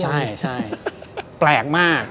ใช่แปลกมาก